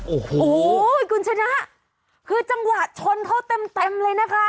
โอ้โหคุณชนะคือจังหวะชนเขาเต็มเต็มเลยนะคะ